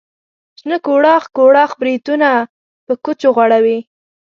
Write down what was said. شنه کوړاخ کوړاخ بریتونه په کوچو غوړوي.